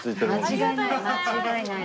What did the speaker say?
間違いない。